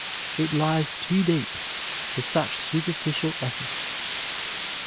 It lies too deep for such superficial effort.